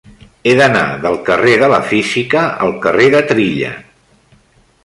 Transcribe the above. He d'anar del carrer de la Física al carrer de Trilla.